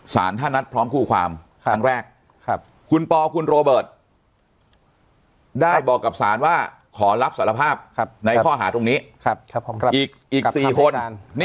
สารท่านัดพร้อมคู่ความทั้งแรกคุณปคุณโรเบิร์ตบอกกับสารว่าขอรับสารภาพในข้อหาตรงนี้